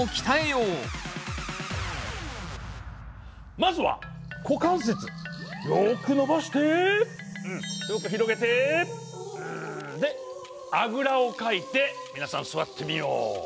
まずは股関節よく伸ばしてよく広げて。であぐらをかいて皆さん座ってみよう。